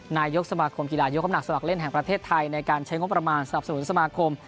นายกสมาคมกีฬายกน้ำหนักสมัครเล่นแห่งประเทศไทยในการใช้งบประมาณสนับสนุนสมาคม